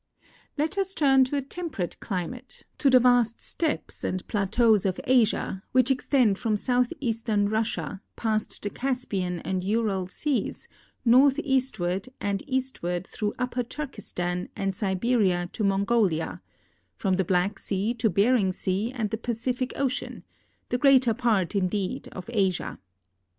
Let us turn to a temperate climate, to the vast stejipes and plateaus of Asia, which extend from southeastern Russia, ])ast the Caspian and Ural seas, northeastward and eastward through upj)er Turkestan and Siberia to Mongolia; from the Black sea to Bering sea and the Pacific ocean — the greater i)art, indeed, of Asia.